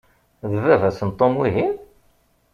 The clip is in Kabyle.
D baba-s n Tom, wihin?